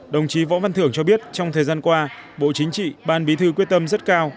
đồng chí võ văn thưởng cho biết trong thời gian qua bộ chính trị ban bí thư quyết tâm rất cao